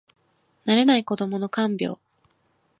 慣れない子どもの看病